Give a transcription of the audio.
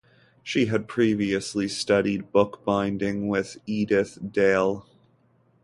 She had previously studied bookbinding with Edith Diehl.